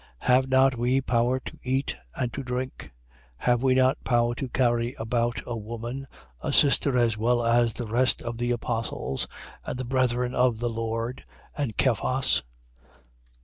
9:4. Have not we power to eat and to drink? 9:5. Have we not power to carry about a woman, a sister as well as the rest of the apostles and the brethren of the Lord and Cephas?